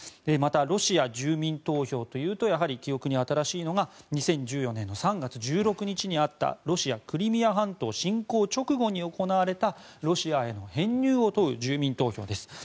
また、ロシア住民投票というとやはり記憶に新しいのが２０１４年３月１６日にあったロシアクリミア半島侵攻直後に行われたロシアへの編入を問う住民投票です。